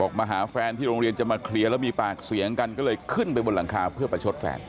มาหาแฟนที่โรงเรียนจะมาเคลียร์แล้วมีปากเสียงกันก็เลยขึ้นไปบนหลังคาเพื่อประชดแฟน